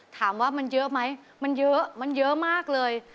ถามว่ามันเยอะไหมมันเยอะมันเยอะมากเลย